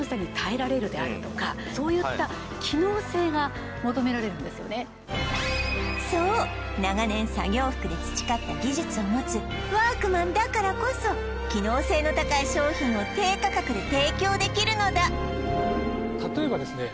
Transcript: そこにはある事情があったそう長年作業服で培った技術を持つワークマンだからこそ機能性の高い商品を低価格で提供できるのだ例えばですね